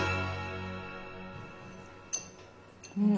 うん。